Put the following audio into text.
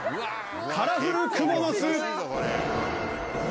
カラフルクモの巣！